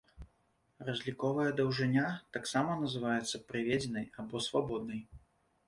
Разліковая даўжыня, таксама называецца прыведзенай або свабоднай.